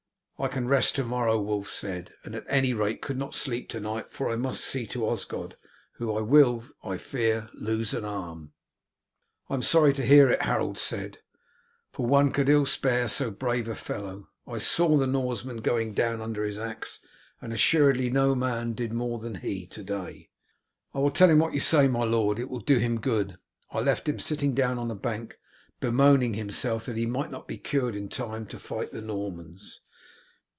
"I can rest to morrow," Wulf said; "and at any rate could not sleep to night, for I must see to Osgod, who will, I fear, lose an arm." "I am sorry to hear it," Harold said, "for one could ill spare so brave a fellow. I saw the Norsemen going down under his axe, and assuredly no man did more than he to day." "I will tell him what you say, my lord; it will do him good. I left him sitting down on a bank bemoaning himself that he might not be cured in time to fight the Normans."